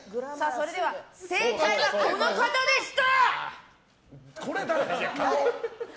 それでは正解はこの方でした！